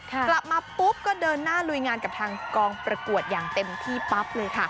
กลับมาปุ๊บก็เดินหน้าลุยงานกับทางกองประกวดอย่างเต็มที่ปั๊บเลยค่ะ